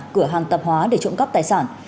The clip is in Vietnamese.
cửa hàng tập hóa để trộm cắp tài sản